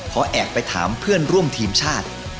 แอบไปถามเพื่อนร่วมทีมชาติ